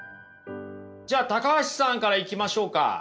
じゃあ橋さんからいきましょうか。